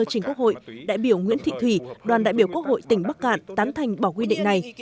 chính quốc hội đại biểu nguyễn thị thủy đoàn đại biểu quốc hội tỉnh bắc cạn tán thành bỏ quy định này